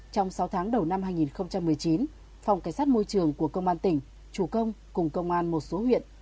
trong sáu tháng đầu năm hai nghìn một mươi chín phòng cảnh sát môi trường của công an tỉnh chủ công cùng công an một số huyện